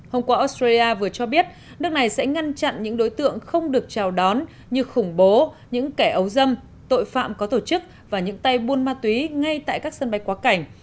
hôm qua australia vừa cho biết nước này sẽ ngăn chặn những đối tượng không được chào đón như khủng bố những kẻ ấu dâm tội phạm có tổ chức và những tay buôn ma túy ngay tại các sân bay quá cảnh